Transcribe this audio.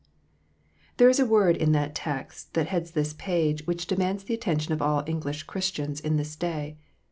THERE is a word in the text that heads this page which demands the attention of all English Christians in this day.